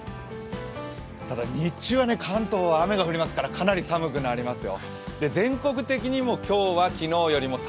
日中は関東は雨が降りますからかなり寒くなりますよ。